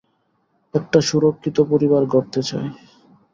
একটা সুরক্ষিত পরিবার গড়তে চাই।